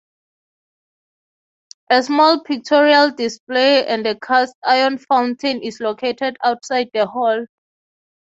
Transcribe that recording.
A small pictorial display and a cast iron fountain is located outside the hall.